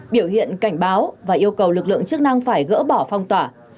biểu hiện cảnh báo và yêu cầu lực lượng chức năng phải gỡ bỏ phong tỏa